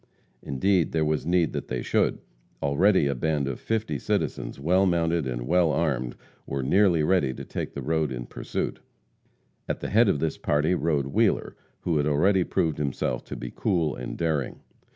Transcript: Indeed, there was need that they should. Already a band of fifty citizens, well mounted and well armed, were nearly ready to take the road in pursuit. At the head of this party rode Wheeler, who had already proved himself to be cool and daring.